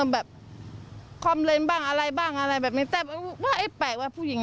แบบใครบ้างอะไรแบบนี้ปีนกี้แปลกว่าผู้หนึ่ง